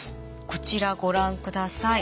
こちらご覧ください。